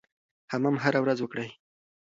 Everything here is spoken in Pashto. حمام هره ورځ وکړئ.